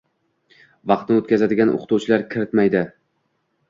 Vaqtni oʻtkazadigan oʻqituvchilar kiritmaydi